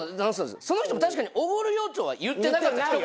その人も確かに「おごるよ」とは言ってなかったひと言も。